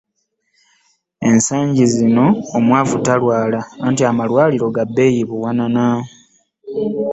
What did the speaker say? Ensangi zino omwavu talwala anti amalwaliro ga bbeeyi buwanana.